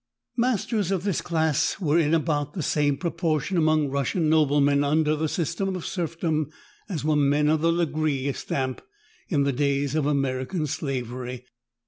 Masters of this class were in about the same proportion among Russian noblemen, under the system of serfdom, as were men of the Legree stamp in the days of American slavery.